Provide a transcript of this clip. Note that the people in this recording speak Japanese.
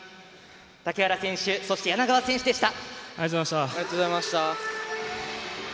竹原選手そして、柳川選手でした。